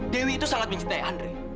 dewi itu sangat mencintai andre